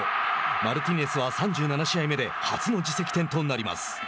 マルティネスは３７試合目で初の自責点となります。